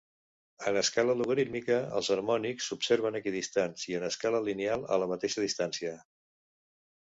En escala logarítmica els harmònics s’observen equidistants, i en escala lineal a la mateixa distància.